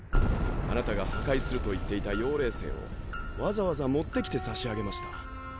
あなたが破壊すると言っていた妖霊星をわざわざ持ってきて差し上げました。